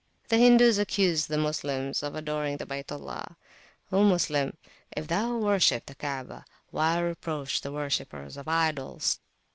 The Hindus accuse the Moslems of adoring the Bayt Ullah. O Moslem, if thou worship the Kaabah, Why reproach the worshippers of idols?